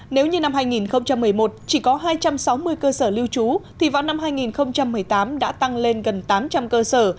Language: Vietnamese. nếu như năm hai nghìn một mươi một chỉ có hai trăm sáu mươi cơ sở lưu trú thì vào năm hai nghìn một mươi tám đã tăng lên gần tám trăm linh cơ sở